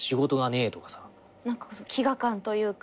飢餓感というか。